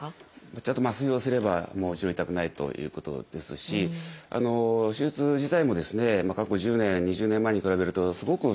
ちゃんと麻酔をすればもちろん痛くないということですし手術自体も過去１０年２０年前に比べるとすごく進歩しているので